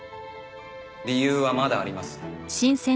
理由はまだあります。